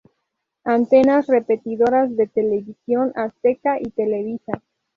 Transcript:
Antenas repetidoras de Televisión Azteca y Televisa.